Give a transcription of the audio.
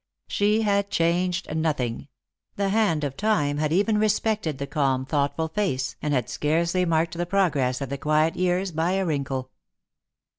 She had changed nothing — the hand of Time had even respected the calm thoughtful face, and had scarcely marked the progress of the quiet years by a wrinkle.